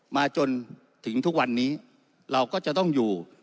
มาจนถึงทุกวันนี้เราก็จะต้องอยู่